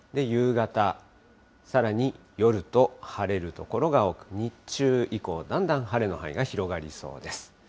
夕方、さらに夜と、晴れる所が多く、日中以降、だんだん晴れの範囲が広がりそうです。